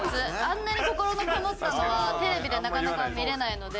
あんなに心のこもったのはテレビでなかなか見れないので。